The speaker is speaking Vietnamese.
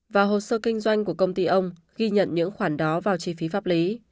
và hồ sơ kinh doanh của công ty ông ghi nhận những khoản đó vào chi phí pháp lý